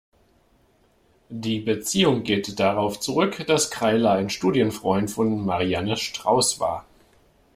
Die Beziehung geht darauf zurück, dass Kreile ein Studienfreund von Marianne Strauß war.